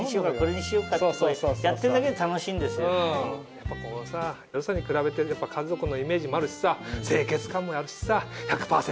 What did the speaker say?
やっぱこうよそに比べて家族のイメージもあるしさ清潔感もあるしさ１００％